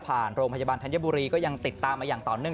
โรงพยาบาลธัญบุรีก็ยังติดตามมาอย่างต่อเนื่อง